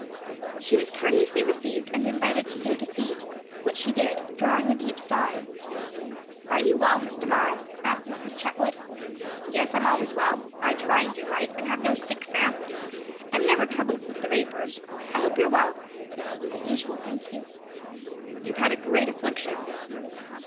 She was courteously received and invited to take a seat; which she did, drawing a deep sigh. "Are you well, Miss Damaris?" asked Mrs. Chetwood. "Yes; I'm always well; I try and do right, and have no sick fancies; am never troubled with the vapors. I hope you're well?" "As usual, thank you." "You've had a great affliction."